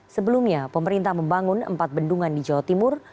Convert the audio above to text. sebelumnya pemerintah membangun empat bendungan di jawa timur